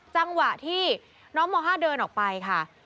จังหวะที่น้องม๕เดินออกไปค่ะ